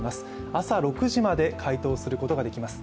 朝６時まで回答することができます。